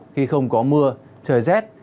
khi không có mưa trời rét